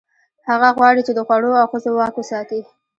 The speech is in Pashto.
هغه غواړي، چې د خوړو او ښځو واک وساتي.